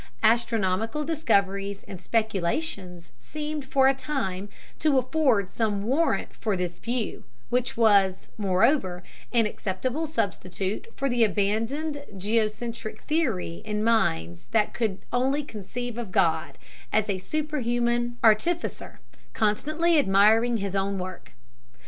Astronomical discoveries and speculations seemed for a time to afford some warrant for this view, which was, moreover, an acceptable substitute for the abandoned geocentric theory in minds that could only conceive of God as a superhuman artificer, constantly admiring his own work.